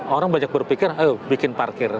orang banyak berpikir ayo bikin parkir